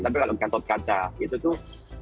tapi kalau gatot kaca itu tuh